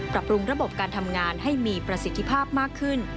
ปรับปรุงระบบการทำงานให้มีประสิทธิภาพมากขึ้น